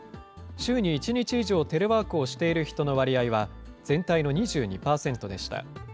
週に１日以上、テレワークをしている人の割合は、全体の２２％でした。